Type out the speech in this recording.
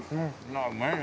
うまいね。